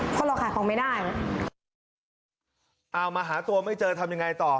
เพราะเราขายของไม่ได้เอามาหาตัวไม่เจอทำยังไงต่อ